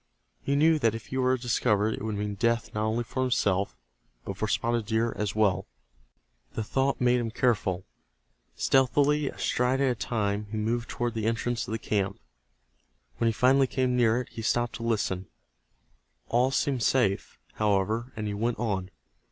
He knew that if he were discovered it would mean death not only for himself, but for Spotted Deer as well. The thought made him careful. Stealthily, a stride at a time, he moved toward the entrance of the camp. When he finally came near it, he stopped to listen. All seemed safe, however, and he went on.